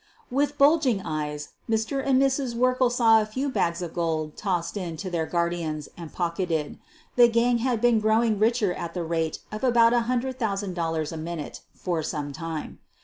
With bulging eyes, Mr. and Mrs. Werkle saw a few bags of gold tossed in to their guardians and pocketed. The gang had been growing richer at the rate of about a hundred thousand dollars a min ute for some time.